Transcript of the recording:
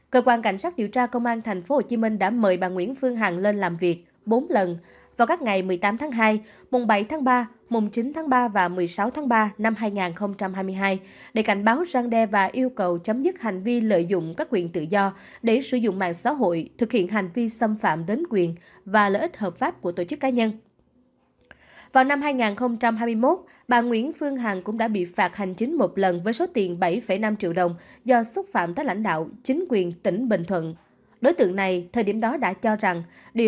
cơ quan cảnh sát điều tra công an tp hcm đã ra quyết định số ba trăm năm mươi qd về việc khởi tố bị can lệnh khám xét đối với nguyễn phương hằng